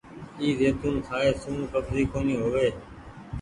اي زيتونٚ کآئي سون ڪبزي ڪونيٚ هووي ڇي۔